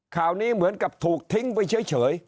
ข่าวนี้เหมือนกับถูกทิ้งไปเฉย